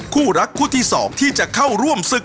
คู่รักคู่ที่๒ที่จะเข้าร่วมศึก